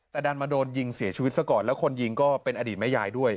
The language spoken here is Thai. แต่ดันมาโดนยิงเสียชีวิตซะก่อนแล้วคนยิงก็เป็นอดีตแม่ยายด้วย